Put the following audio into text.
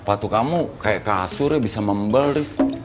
patu kamu kayak kasurnya bisa membel riz